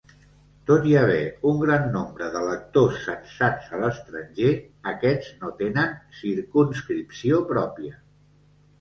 Tot i haver un gran nombre d'electors censats a l'estranger, aquests no tenen circumscripció pròpia.